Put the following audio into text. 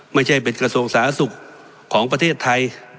ไม่ใช่เป็นกระทรวงสาธารณสุขของประเทศไทย